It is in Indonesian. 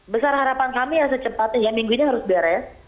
besar harapan kami ya secepatnya ya minggu ini harus beres